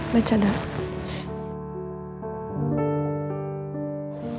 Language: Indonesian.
baca doanya dulu